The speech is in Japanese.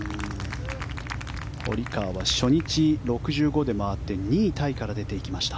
堀川は初日６５で回って２位タイから出ていきました。